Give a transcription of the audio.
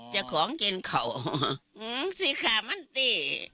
เจ้าของกินเขาอื้อสิค่ะมันติ